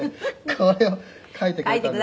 これを書いてくれたんですね」